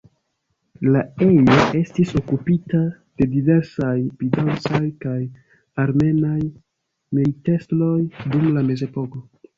La ejo estis okupita de diversaj bizancaj kaj armenaj militestroj dum la Mezepoko.